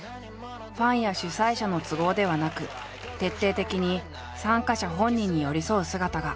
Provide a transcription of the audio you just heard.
ファンや主催者の都合ではなく徹底的に参加者本人に寄り添う姿が話題となった。